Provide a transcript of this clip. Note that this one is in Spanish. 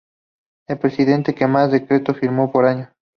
El presidente que más decretos firmó por año.